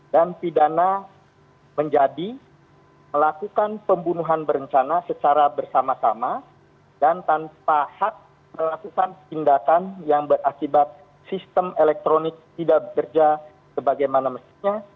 dan pidana menjadi melakukan pembunuhan berencana secara bersama sama dan tanpa hak melakukan tindakan yang berakibat sistem elektronik tidak bekerja sebagaimana mestinya